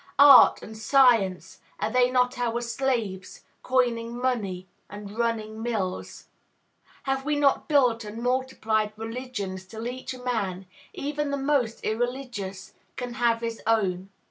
Art and science, are they not our slaves, coining money and running mills? Have we not built and multiplied religions, till each man, even the most irreligious, can have his own?